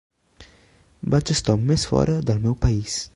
Vaig estar un mes fora del meu país.